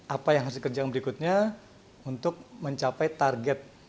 apa yang harus dikerjakan berikutnya untuk mencapai target